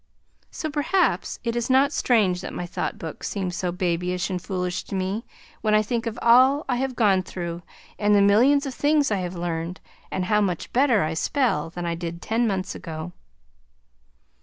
So perhaps it is not strange that my Thought Book seems so babyish and foolish to me when I think of all I have gone through and the millions of things I have learned, and how much better I spell than I did ten months ago.